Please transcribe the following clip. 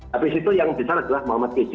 habis itu yang besar adalah muhammad isy